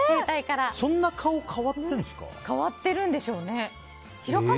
そんな顔変わってるんですか？